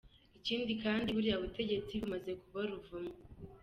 Ikindi kandi, buriya butegetsi bumaze kuba ruvumwa.